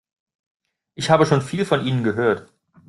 Ich habe schon viel von Ihnen gehört.